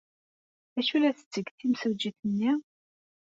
D acu ay la tetteg timsujjit-nni?